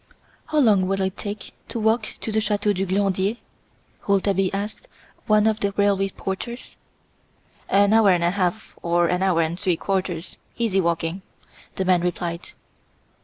"How long will it take to walk to the Chateau du Glandier?" Rouletabille asked one of the railway porters. "An hour and a half or an hour and three quarters easy walking," the man replied.